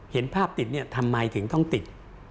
เห็นภาพติดเนี่ยทำไมถึงต้องติด